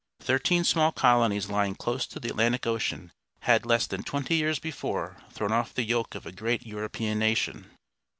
Thirteen small colonies lying close to the Atlantic Ocean had less than twenty years before thrown off the yoke of a great European nation.